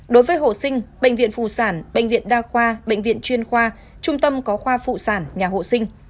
đối với hộ sinh bệnh viện phụ sản bệnh viện đa khoa bệnh viện chuyên khoa trung tâm có khoa phụ sản nhà hộ sinh